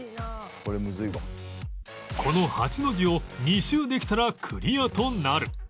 この８の字を２周できたらクリアとなる